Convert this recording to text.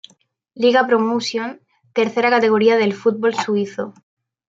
Liga Promotion, tercera categoría del fútbol suizo.